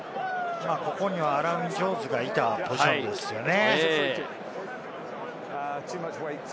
ここにはアラン・ウィン・ジョーンズがいたポジションですよね。